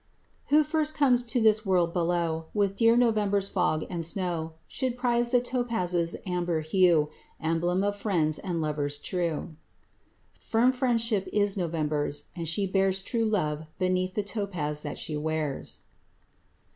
Who first comes to this world below With drear November's fog and snow Should prize the topaz's amber hue— Emblem of friends and lovers true. Firm friendship is November's, and she bears True love beneath the topaz that she wears.